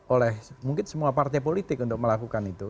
oleh mungkin semua partai politik untuk melakukan itu